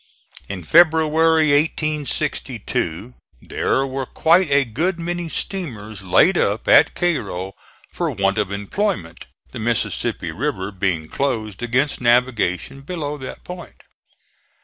In February, 1862, there were quite a good many steamers laid up at Cairo for want of employment, the Mississippi River being closed against navigation below that point.